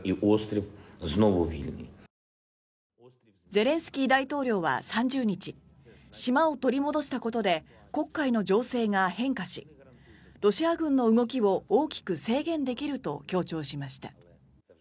ゼレンスキー大統領は３０日島を取り戻したことで黒海の情勢が変化しロシア軍の動きを大きく制限できると強調しました。